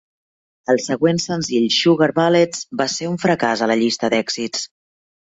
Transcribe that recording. El següent senzill, "Sugar Bullets", va ser un fracàs a la llista d'èxits.